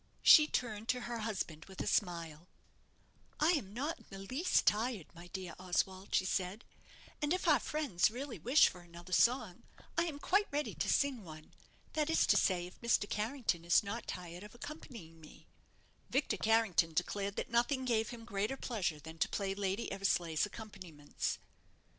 She turned to her husband with a smile "I am not in the least tired, my dear Oswald," she said; "and if our friends really wish for another song, I am quite ready to sing one. That is to say, if Mr. Carrington is not tired of accompanying me." Victor Carrington declared that nothing gave him greater pleasure than to play Lady Eversleigh's accompaniments.